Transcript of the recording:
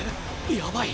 やばい！